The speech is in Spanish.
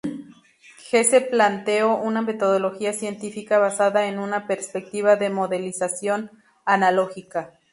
Hesse planteó una metodología científica basada en una perspectiva de modelización analógica.